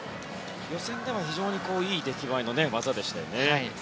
予選では非常にいい出来栄えの技でした。